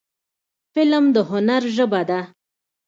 فلم د هنر ژبه ده